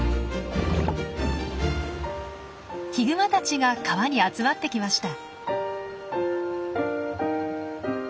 ヒグマたちが川に集まってきました。